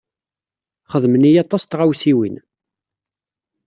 Xedmen-iyi aṭas n tɣawsiwin.